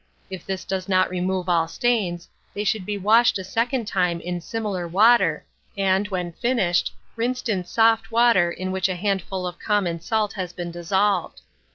If this does not remove all stains, they should be washed a second time in similar water, and, when finished, rinsed in soft water in which a handful of common salt has been dissolved.